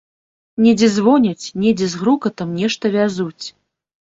Недзе звоняць, недзе з грукатам нешта вязуць.